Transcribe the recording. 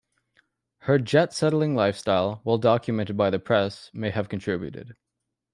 Her jet-setting lifestyle, well documented by the press, may have contributed.